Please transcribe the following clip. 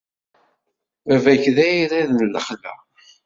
Baba-k d ayrad n lexla.